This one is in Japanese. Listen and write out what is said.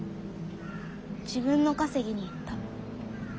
自分の稼ぎに行った。